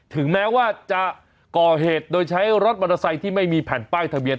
ถึงแม้ว่าจะก่อเหตุโดยใช้รถมอเตอร์ไซค์ที่ไม่มีแผ่นป้ายทะเบียน